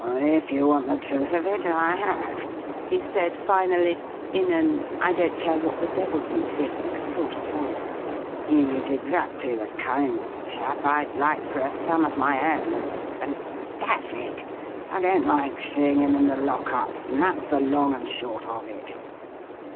"Well, if you want the truth of it I have!" he said, finally, in an "I don't care what the devil you think" sort of voice. "He's exactly the kind of chap I'd like for a son of my own, and and dash it! I don't like seeing him in the lock up; and that's the long and short of it!"